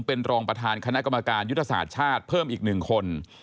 เป็นรองประธานคณะกรรมการยุทธศาสตร์ชาติเพิ่มอีก๑คน